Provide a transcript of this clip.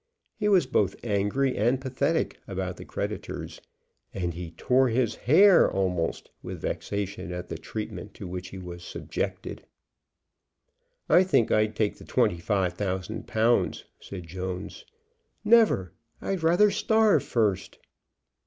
He was both angry and pathetic about the creditors. And he tore his hair almost with vexation at the treatment to which he was subjected. "I think I'd take the twenty five thousand pounds," said Jones. "Never! I'd rather starve first!"